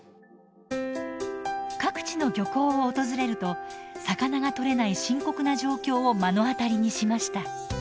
各地の漁港を訪れると魚が獲れない深刻な状況を目の当たりにしました。